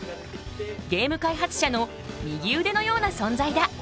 ゲーム開発者の右腕のような存在だ。